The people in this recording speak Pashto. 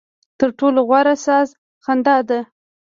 ترټولو غوره ساز خندا ده.